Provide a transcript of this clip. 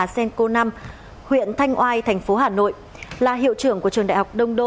hà sên cô năm huyện thanh oai thành phố hà nội là hiệu trưởng của trường đại học đông đô